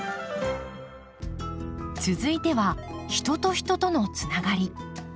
続いては人と人とのつながり。